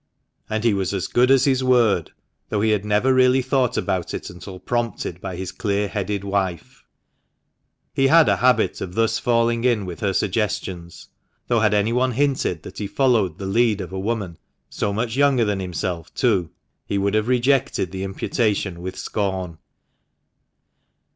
And he was as good as his word, though he had really never thought about it until prompted by his clear headed wife. He had a habit of thus falling in with her suggestions, though had anyone hinted that he followed the lead of a woman, so much younger than himself, too, he would have rejected the imputation with scorn.